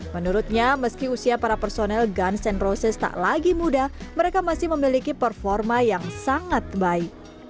menurutnya meski usia para personel gun zen roses tak lagi muda mereka masih memiliki performa yang sangat baik